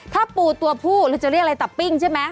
ถ้าปูตัวผู้เราจะเรียกอะไรตับปิ้งใช่ไหม